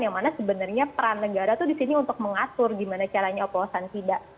yang mana sebenarnya peran negara itu di sini untuk mengatur gimana caranya oplosan tidak